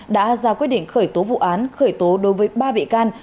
đã ra quyết định khởi tố vụ án khởi tố đối với ba bị can